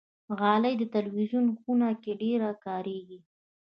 غالۍ د تلویزون خونه کې ډېره کاریږي.